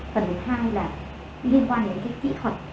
phần hai là liên quan đến cái kỹ thuật